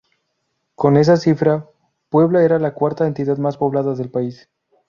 Con esa cifra, Puebla era la cuarta entidad más poblada del país.